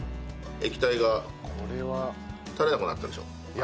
液体が垂れなくなったでしょ。